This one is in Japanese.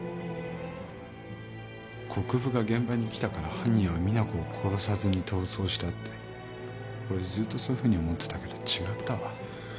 国府が現場に来たから犯人は実那子を殺さずに逃走したって俺ずっとそういうふうに思ってたけど違ったわ。